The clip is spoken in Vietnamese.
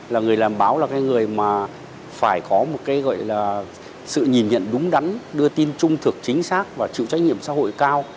là người làm báo là cái người mà phải có một cái gọi là sự nhìn nhận đúng đắn đưa tin trung thực chính xác và chịu trách nhiệm xã hội cao